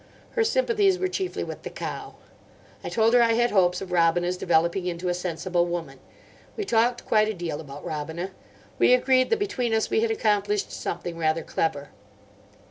Her sympathies were chiefly with the cow. I told her I had hopes of Robina's developing into a sensible woman. We talked quite a deal about Robina. We agreed that between us we had accomplished something rather clever.